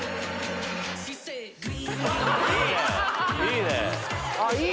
いいね！